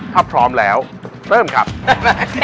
ถ้าพร้อมแล้วเริ่มครับ